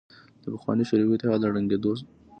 د پخواني شوروي اتحاد له ړنګېدو